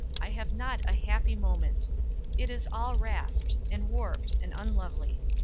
I have not a happy moment. It is all rasped, and warped, and unlovely.